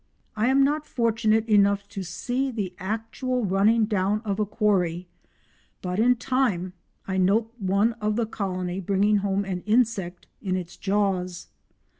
I am not fortunate enough to see the actual running down of a quarry, but in time I note one of the colony bringing home an insect in its jaws.